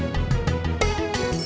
ya ada tiga orang